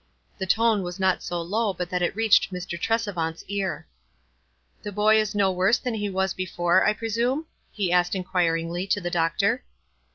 The tone was not so low but that it reached Mr. Trcsevant's car. " The boy is no worse than he has been be fore, I presume?" he said inquiringly, to the doctor.